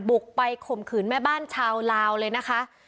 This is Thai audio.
บุกไปข่มขืนแม่บ้านชาวลาวเลยนะคะ